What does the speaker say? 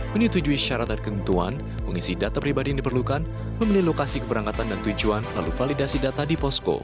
menyetujui syarat dan ketentuan mengisi data pribadi yang diperlukan memilih lokasi keberangkatan dan tujuan lalu validasi data di posko